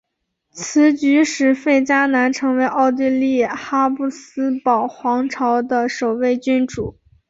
此举使费迪南成为了奥地利哈布斯堡皇朝的首位君主。